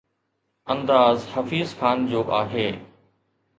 انداز حفيظ خان جو آهي.